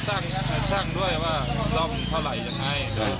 ช่วยขาร์มสร้างด้วยว่าลองเท่าไหร่ยังไงเนอะ